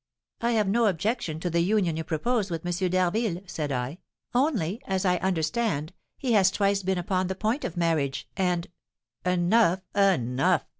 'I have no objection to the union you propose with M. d'Harville,' said I; 'only, as I understand, he has twice been upon the point of marriage, and ' 'Enough enough!'